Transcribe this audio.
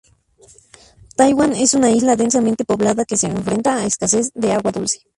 Taiwán es una isla densamente poblada que se enfrenta a escasez de agua dulce.